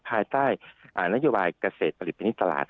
ภายใต้นโยบายเกษตรผลิตปณิตตลาด